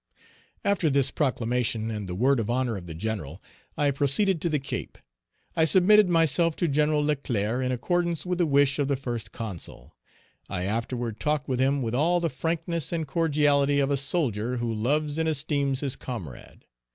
After this proclamation and the word of honor of the general, I proceeded to the Cape. I submitted myself to Gen. Leclerc in accordance with the wish of the First Consul; I afterward talked with him with all the frankness and cordiality of a soldier who loves and esteems his comrade.